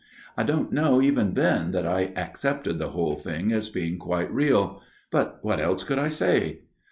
I don't know even then that I accepted the whole thing as being quite real. But what else could I say